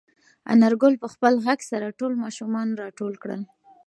انارګل په خپل غږ سره ټول ماشومان راټول کړل.